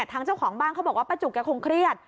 ทางเจ้าของบ้านเขาบอกว่าป้าจุกแกคงเครียด